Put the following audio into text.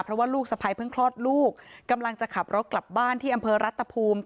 เพราะว่าลูกสะพ้ายเพิ่งคลอดลูกกำลังจะขับรถกลับบ้านที่อำเภอรัฐภูมิ